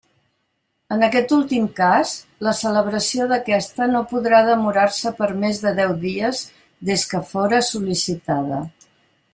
En aquest últim cas, la celebració d'aquesta no podrà demorar-se per més de deu dies des que fóra sol·licitada.